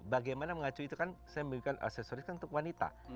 bagaimana mengacu itu kan saya memberikan aksesoris kan untuk wanita